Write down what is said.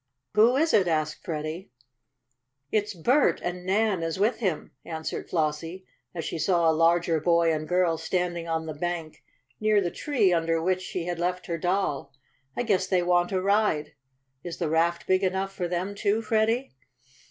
"Who is it?" asked Freddie. "It's Bert; and Nan is with him," answered Flossie, as she saw a larger boy and girl standing on the bank, near the tree under which she had left her doll. "I guess they want a ride. Is the raft big enough for them too, Freddie?"